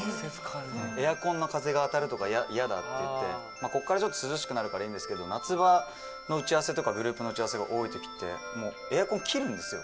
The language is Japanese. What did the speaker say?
エアコンの風が当たるとか嫌だって言って、ここからちょっと涼しくなるからいいんですけど、夏場の打ち合わせとか、グループの打ち合わせが多いときって、もうエアコン切るんですよ。